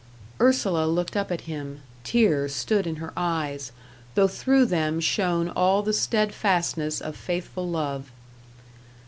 Ursula looked up at him; tears stood in her eyes, though through them shone all the steadfastness of faithful love.